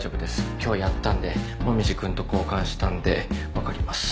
今日やったんで紅葉君と交換したんで分かります。